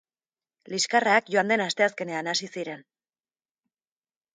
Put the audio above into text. Liskarrak joan den asteazkenean hasi ziren.